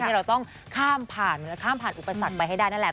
เราต้องข้ามผ่านข้ามผ่านอุปสรรคไปให้ได้นั่นแหละ